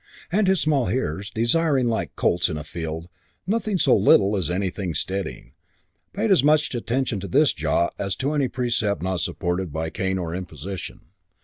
And his small hearers, desiring, like young colts in a field, nothing so little as anything steadying, paid as much attention to this "jaw" as to any precept not supported by cane or imposition.